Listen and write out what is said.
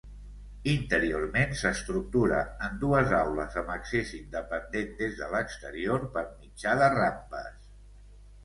Interiorment s'estructura en dues aules amb accés independent des de l'exterior per mitjà de rampes.